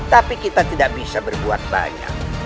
tapi kita tidak bisa berbuat banyak